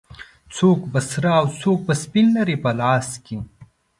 څوک به سره او څوک به سپین لري په لاس کې